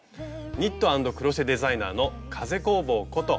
ニット＆クロッシェデザイナーの「風工房」こと